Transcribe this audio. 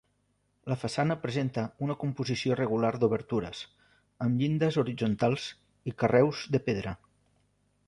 La façana presenta una composició irregular d'obertures, amb llindes horitzontals i carreus de pedra.